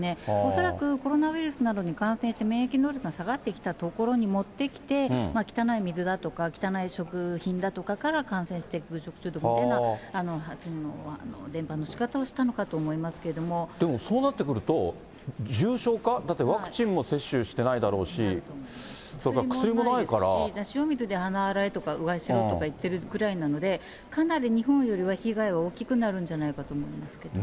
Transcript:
恐らくコロナウイルスなどに感染して免疫能力が下がってきたところに持ってきて、汚い水だとか汚い食品だとかから感染していくみたいな伝ぱのしかでもそうなってくると、重症化、だってワクチンも接種してないだろうし、それから薬もないか塩水で鼻洗えとか、うがいしろとか言ってるぐらいなので、かなり日本よりは被害が大きくなるんじゃないかなと思いますけど。